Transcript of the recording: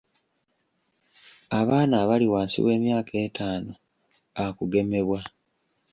Abaana abali wansi w'emyaka etaano baakugemebwa.